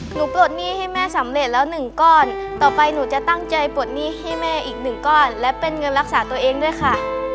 ปลดหนี้ให้แม่สำเร็จแล้วหนึ่งก้อนต่อไปหนูจะตั้งใจปลดหนี้ให้แม่อีกหนึ่งก้อนและเป็นเงินรักษาตัวเองด้วยค่ะ